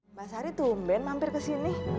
mbak sari tumben mampir kesini